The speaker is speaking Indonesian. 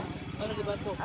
oh lagi batuk